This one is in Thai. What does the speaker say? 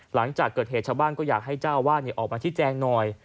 หลังจากเกิดเหตุชาวบ้านก็อยากให้เจ้าวาดออกมาที่แจงหน่อย